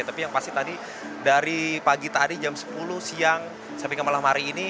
tapi yang pasti tadi dari pagi tadi jam sepuluh siang sampai ke malam hari ini